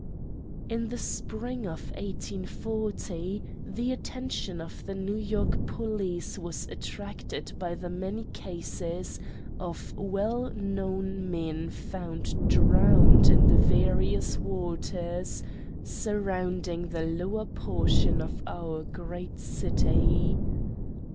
"In the spring of 1840, the attention of the New York police was attracted by the many cases of well known men found drowned in the various waters surrounding the lower portion of our great city.